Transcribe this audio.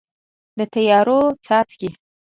د تیارو څاڅکي